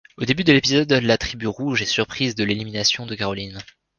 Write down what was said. Au début de l'épisode, la tribu rouge est surprise de l'élimination de Caroline.